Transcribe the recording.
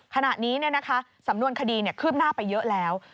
ขณะนี้สำนวนคดีคืบหน้าไปเยอะแล้ว